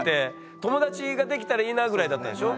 友達ができたらいいなぐらいだったんでしょ？